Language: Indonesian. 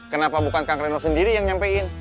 kenapa bukan kang reno sendiri yang nyampein